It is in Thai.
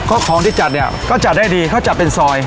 ก็ของที่จัดเนี่ยก็จัดได้ดีเขาจัดเป็นซอย